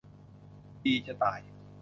ดีจะตาย